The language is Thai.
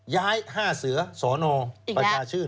ย้าย๕เสือสอนองประชาชื่น